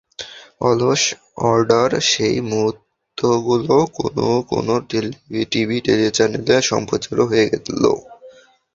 অলস আড্ডার সেই মুহূর্তগুলো কোনো কোনো টিভি চ্যানেলে সম্প্রচারও হয়ে গেল।